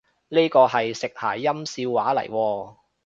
呢個係食諧音笑話嚟喎？